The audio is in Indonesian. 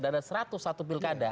dan ada satu ratus satu pilkada